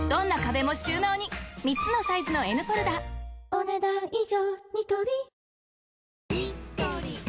お、ねだん以上。